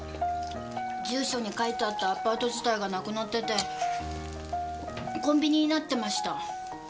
住所に書いてあったアパート自体がなくなっててコンビニになってました。